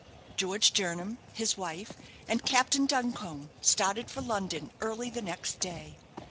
George Jernam, his wife, and Captain Duncombe started for London early the next day.